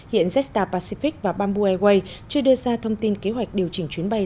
hiện jetstar pacific và bamboo airways chưa đưa ra thông tin kế hoạch điều chỉnh chuyến bay